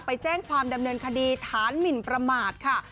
ไปแจ้งความดำเนินคดีฐานหมินประมาทค่ะ